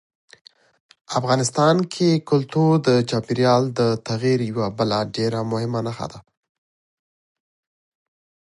افغانستان کې کلتور د چاپېریال د تغیر یوه بله ډېره مهمه نښه ده.